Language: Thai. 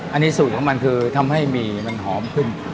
อันนี้สูตรของมันคือทำให้หมี่มันหอมขึ้น